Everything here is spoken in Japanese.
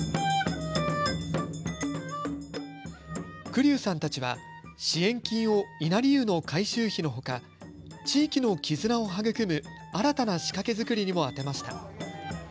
栗生さんたちは、支援金を稲荷湯の改修費のほか、地域の絆を育む新たな仕掛け作りにも充てました。